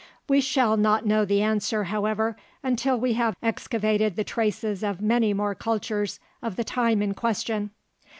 We shall not know the answer, however, until we have excavated the traces of many more cultures of the time in question.